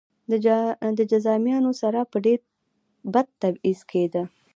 له جذامیانو سره به ډېر بد تبعیض کېده.